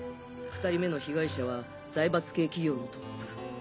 ２人目の被害者は財閥系企業のトップ。